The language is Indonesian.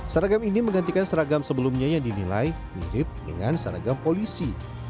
seragam ini menggantikan seragam sebelumnya yang dinilai mirip dengan seragam polisi